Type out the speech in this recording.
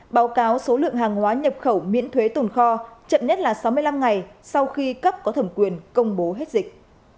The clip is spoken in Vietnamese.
báo cáo số lượng hàng hóa nhập khẩu miễn thuế tồn kho chậm nhất là sáu mươi năm ngày sau khi cấp có thẩm quyền công bố hết dịch